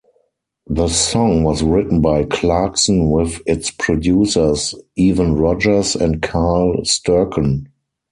The song was written by Clarkson with its producers Evan Rogers and Carl Sturken.